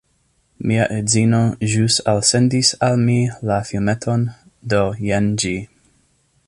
Mi edzino ĵus alsendis al mi la filmeton, do jen ĝi: